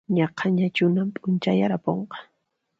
Yaqañachunan p'unchayaramunqa